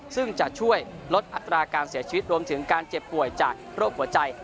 ซึ่งจะช่วยลดอัตราการเสียชีวิตรวมถึงการเจ็บป่วยจากโรคหัวใจ